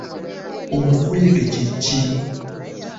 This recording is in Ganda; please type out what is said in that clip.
Omukuyege kye ki?